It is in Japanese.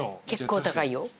結構高いよ。